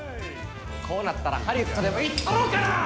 こうなったらハリウッドでも行ったろうかな！